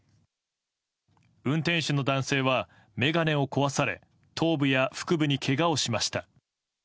運転手の男性は眼鏡を壊され頭部や腹部にけがをしました。